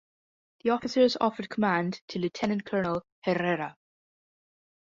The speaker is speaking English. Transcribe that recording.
The officers offered command to Lieutenant Colonel Herrera.